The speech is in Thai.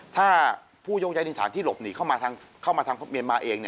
ถ้าผู้ยกย้ายในฐานที่หลบหนีเข้ามาทางเมียนมาเอง